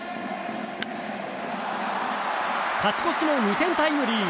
勝ち越しの２点タイムリー。